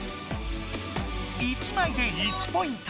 １まいで１ポイント。